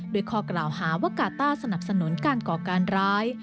ข้อกล่าวหาว่ากาต้าสนับสนุนการก่อการร้าย